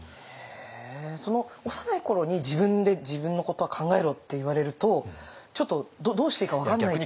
へえ幼い頃に「自分で自分のことは考えろ」って言われるとちょっとどうしていいか分かんないって。